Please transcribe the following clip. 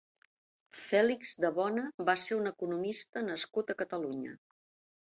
Fèlix de Bona va ser un economista nascut a Catalunya.